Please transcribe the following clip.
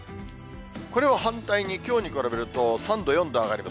これは反対に、きょうに比べると３度、４度上がります。